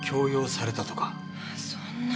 そんな。